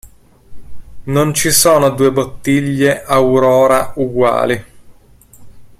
Non ci sono due bottiglie Aurora uguali.